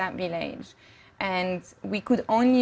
dan kita hanya bisa berada di sana